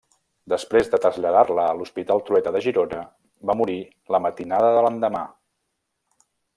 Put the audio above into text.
Després de traslladar-la a l'hospital Trueta de Girona, va morir la matinada de l'endemà.